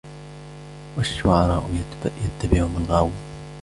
وَالشُّعَرَاءُ يَتَّبِعُهُمُ الْغَاوُونَ